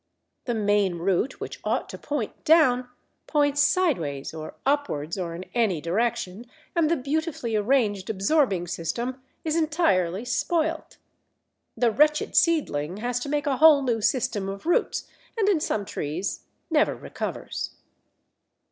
The main root, which ought to point down, points sideways or upwards or in any direction, and the beautifully arranged absorbing system is entirely spoilt. The wretched seedling has to make a whole new system of roots, and in some trees never recovers.